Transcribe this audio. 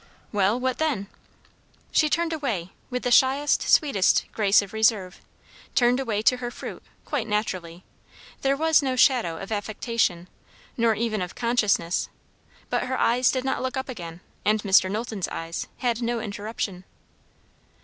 "Well, what then?" She turned away, with the shyest, sweetest grace of reserve; turned away to her fruit, quite naturally; there was no shadow of affectation, nor even of consciousness. But her eyes did not look up again; and Mr. Knowlton's eyes had no interruption.